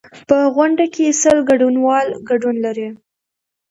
په غونډه کې سل ګډونوال ګډون لري.